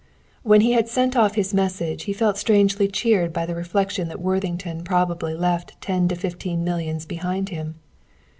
When he had sent off his message he felt strangely cheered by the reflection that Worthington probably left ten to fifteen millions behind him.